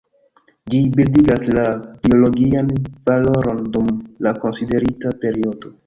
Ĝi bildigas la biologian valoron dum la konsiderita periodo.